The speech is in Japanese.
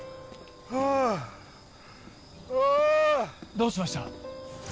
どうしました？